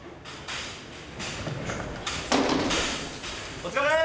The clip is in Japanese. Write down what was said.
お疲れー！